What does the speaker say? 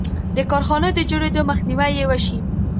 د کارخانو د جوړېدو مخنیوی یې وشي.